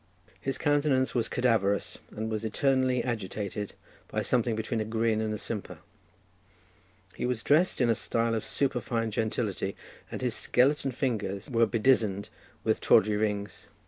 His countenance was cadaverous, and was eternally agitated, by something between a grin and a simper. He was dressed in a style of superfine gentility, and his skeleton fingers were bedizened with tawdry rings.